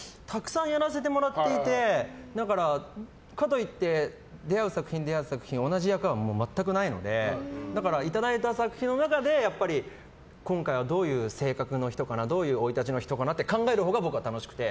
本当にたくさんやらせてもらっていてかといって出会う作品、出会う作品同じ役は全くないのでだから、いただいた作品の中で今回はどういう性格の人かなどういう生い立ちの人かなって考えるほうが僕は楽しくて。